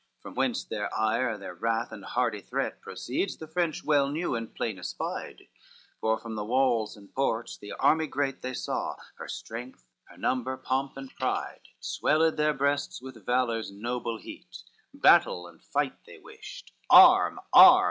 III From whence their ire, their wrath and hardy threat Proceeds, the French well knew, and plain espied, For from the walls and ports the army great They saw; her strength, her number, pomp, and pride, Swelled their breasts with valor's noble heat; Battle and fight they wished, "Arm, arm!"